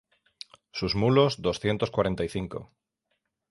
sus mulos, doscientos cuarenta y cinco;